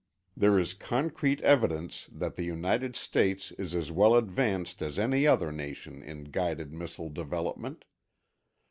There is concrete evidence that the United States is as well advanced as any other nation in guided missile development.